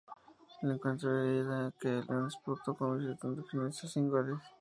El encuentro de ida, que "El León" disputó como visitante, finalizó sin goles.